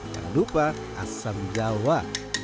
jangan lupa asam jawa